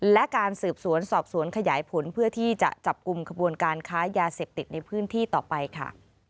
และการสืบสวนสอบสวนขยายผลเพื่อที่จะจับกลุ่มขบวนการค้ายาเสพติดในพื้นที่ต่อไปค่ะ